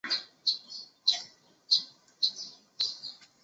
南山县治梅菉镇析吴川县地设梅菉市。